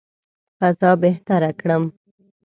فضا بهتره کړم.